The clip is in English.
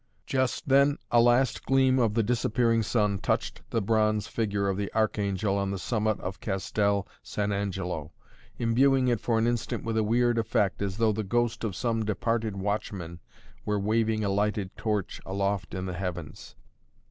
Just then a last gleam of the disappearing sun touched the bronze figure of the Archangel on the summit of Castel San Angelo, imbuing it for an instant with a weird effect, as though the ghost of some departed watchman were waving a lighted torch aloft in the heavens.